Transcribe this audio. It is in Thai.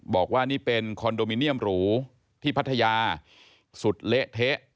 บอกว่านี่เป็นคอนโดมิเนียมหรูที่พัทยาสุดเละเทะ